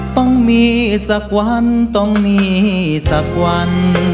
ต้องมีสักวันต้องมีสักวัน